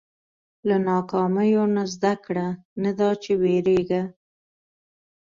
• له ناکامیو نه زده کړه، نه دا چې وېرېږه.